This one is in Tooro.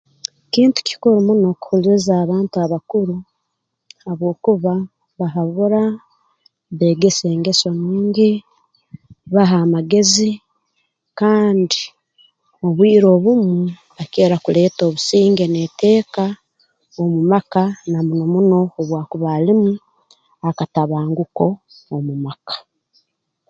Kintu kikuru muno kuhuuliiriza abantu abakuru habwokuba bahabura beegesa engeso nungi baha amagezi kandi obwire obumu bakira kuleeta obusinge n'eteeka omu maka na muno muno obu akuba alimu akatabanguko omu maka